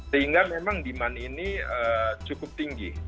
sehingga memang demand ini cukup tinggi